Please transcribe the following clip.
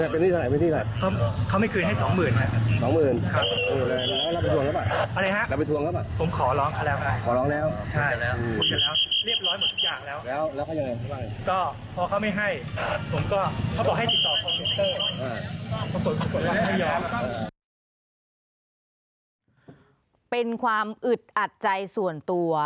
เป็นความอึดอัดใจส่วนตัว